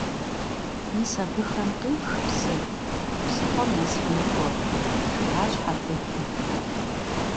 «Мис абыхэм къифх псы, псыхъуэм нэс фымыкӀуэу», - жиӀащ Хьэрхъупым.